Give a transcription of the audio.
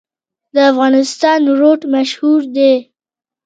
د افغانستان روټ مشهور دی